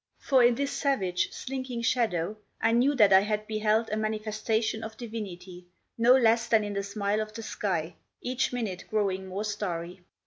For in this savage, slinking shadow, I knew that I had beheld a manifestation of divinity no less than in the smile of the sky, each minute growing more starry.